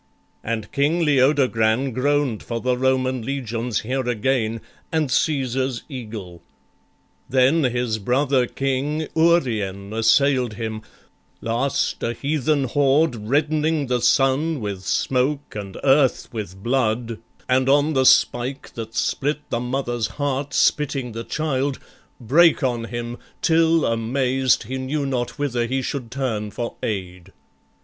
And King Leodogran Groan'd for the Roman legions here again, And Cæsar's eagle: then his brother king, Urien, assail'd him: last a heathen horde, Reddening the sun with smoke and earth with blood, And on the spike that split the mother's heart Spitting the child, brake on him, till, amazed, He knew not whither he should turn for aid.